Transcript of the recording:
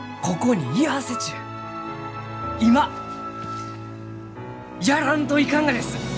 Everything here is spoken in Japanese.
今やらんといかんがです！